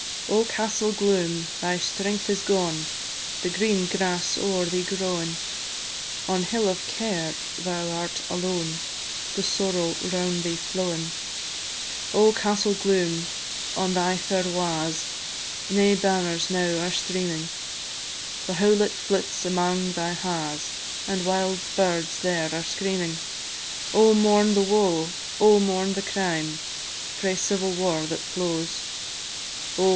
Oh, Castell Gloom! thy strength is gone, The green grass o'er thee growin'; On hill of Care thou art alone, The Sorrow round thee flowin'. Oh, Castell Gloom! on thy fair wa's Nae banners now are streamin', The houlet flits amang thy ha's, And wild birds there are screamin'. Oh! mourn the woe, oh! mourn the crime, Frae civil war that flows; Oh!